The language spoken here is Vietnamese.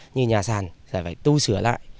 như nhà sàn phải tu sửa lại